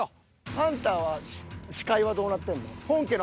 ハンターは視界はどうなってんの？